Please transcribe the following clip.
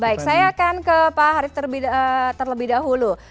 baik saya akan ke pak harif terlebih dahulu